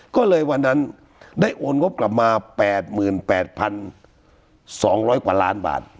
ก็เลยวันนั้นได้โอนงบกลับมา๘๘๒๐๐กว่าล้านบาท